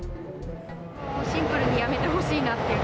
シンプルにやめてほしいなっ